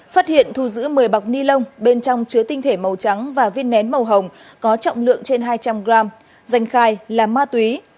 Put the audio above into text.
phát hiện thu giữ một mươi bọc ni lông bên trong chứa tinh thể màu trắng và viên nén màu hồng có trọng lượng trên hai trăm linh g danh khai là ma túy